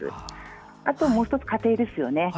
あとはもう１つ、家庭ですね。